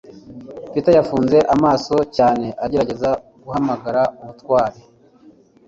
Peter yafunze amaso cyane agerageza guhamagara ubutwari.